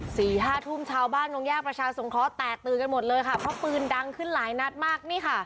สี่ห้าทุ่มชาวบ้านตรงแยกประชาสงเคราะห์แตกตื่นกันหมดเลยค่ะเพราะปืนดังขึ้นหลายนัดมากนี่ค่ะ